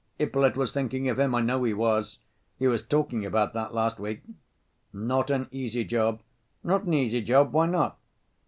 Ippolit was thinking of him, I know he was. He was talking about that last week." "Not an easy job." "Not an easy job? Why not?"